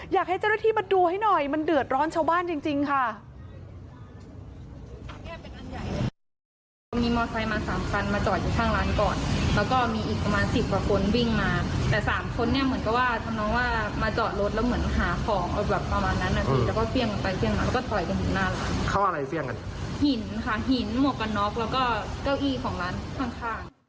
อยากให้เจ้าหน้าที่มาดูให้หน่อยมันเดือดร้อนชาวบ้านจริงค่ะ